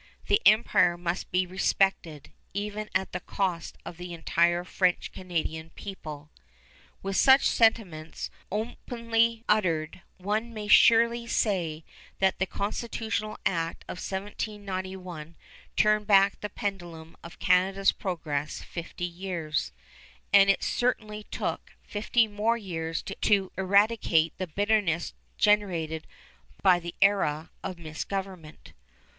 ... The empire must be respected, even at the cost of the entire French Canadian people." With such sentiments openly uttered, one may surely say that the Constitutional Act of 1791 turned back the pendulum of Canada's progress fifty years, and it certainly took fifty more years to eradicate the bitterness generated by the era of misgovernment.